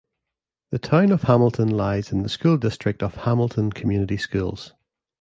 The town of Hamilton lies in the school district of Hamilton Community Schools.